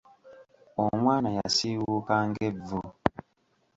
Omwana yasiiwuuka ng'evvu.